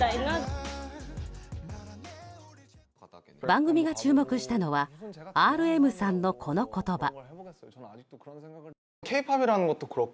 番組が注目したのはＲＭさんのこの言葉。